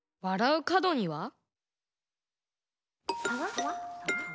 わらうかどには？